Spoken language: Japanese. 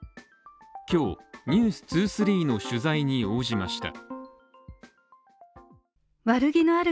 今日「ｎｅｗｓ２３」の取材に応じました。